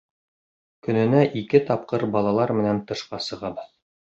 Көнөнә ике тапҡыр балалар менән тышҡа сығабыҙ.